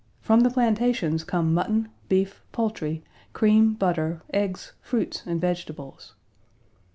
From the plantations come mutton, beef, poultry, cream, butter, eggs, fruits, and vegetables.